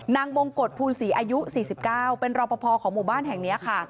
มงกฎภูลศรีอายุ๔๙เป็นรอปภของหมู่บ้านแห่งนี้ค่ะ